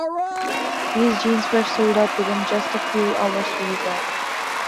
These jeans were sold out within just a few hours worldwide.